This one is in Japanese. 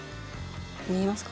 見えますか？